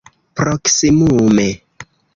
proksimume